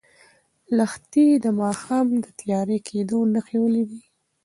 لښتې د ماښام د تیاره کېدو نښې ولیدې.